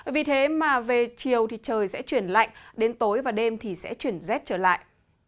vì thế mà về chiều thì trời sẽ chuyển lạnh đến tối và đêm thì sẽ chuyển rét trở lại